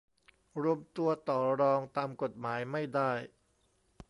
รวมตัวต่อรองตามกฎหมายไม่ได้